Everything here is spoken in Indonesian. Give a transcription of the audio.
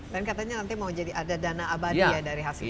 dan katanya nanti mau jadi ada dana abadi ya dari hasil ini